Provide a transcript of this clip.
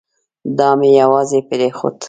دای مو یوازې پرېښود.